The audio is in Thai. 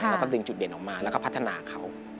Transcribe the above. แล้วก็ดึงจุดเด่นออกมาแล้วก็พัฒนาเขา